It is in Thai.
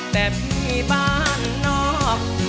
แต่พี่บ้านนอก